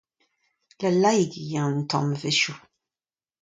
Lallaik eo eñ un tamm a-wechoù.